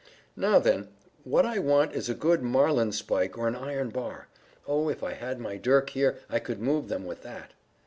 "Now, then, what I want is a good marlinspike or an iron bar. Oh, if I had my dirk here I could move them with that."